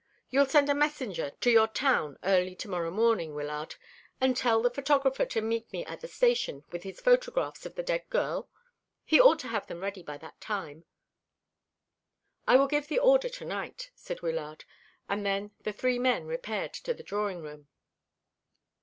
You'll send a messenger to your town early to morrow morning, Wyllard, and tell the photographer to meet me at the station with his photographs of the dead girl? He ought to have them ready by that time." "I will give the order to night," said Wyllard; and then the three men repaired to the drawing room.